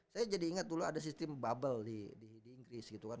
saya jadi ingat dulu ada sistem bubble di inggris gitu kan